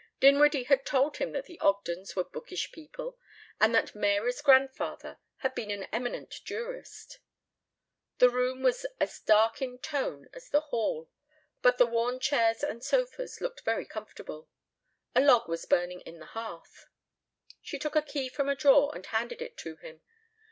Dinwiddie had told him that the Ogdens were bookish people and that "Mary's" grandfather had been an eminent jurist. The room was as dark in tone as the hall, but the worn chairs and sofas looked very comfortable. A log was burning on the hearth. She took a key from a drawer and handed it to him.